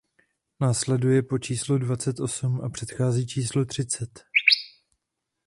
Následuje po číslu dvacet osm a předchází číslu třicet.